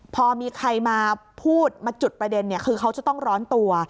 พอมีใครมาพูดมาจุดประเด็นคือเขาจะต้องร้อนตัว